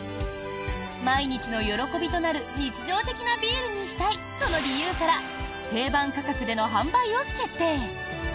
毎日の喜びとなる日常的なビールにしたいとの理由から定番価格での販売を決定。